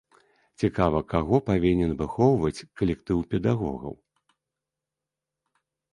Цікава, каго павінен выхоўваць калектыў педагогаў?